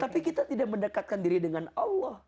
tapi kita tidak mendekatkan diri dengan allah